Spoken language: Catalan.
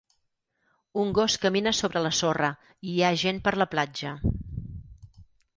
Un gos camina sobre la sorra i hi ha gent per la platja.